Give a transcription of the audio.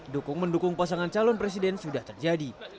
dukung mendukung pasangan calon presiden sudah terjadi